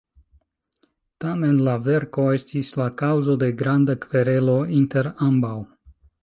Tamen la verko estis la kaŭzo de granda kverelo inter ambaŭ.